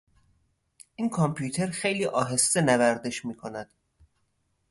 این کامپیوتر خیلی آهسته نوردش میکند.